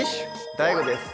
ＤＡＩＧＯです。